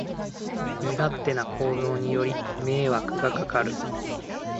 身勝手な行動により迷惑がかかる